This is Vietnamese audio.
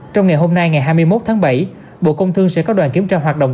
trong ngày hôm nay ngày hai mươi một tháng bảy bộ công thương sẽ có đoàn kiểm tra hoạt động